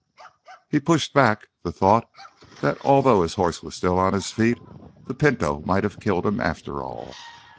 He pushed back the thought that although his horse was still on its feet, the Pinto might have killed him, after all.